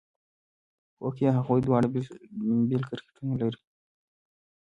هوکې هغوی دواړه بېل کرکټرونه لري.